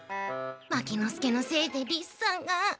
牧之介のせいでリスさんが。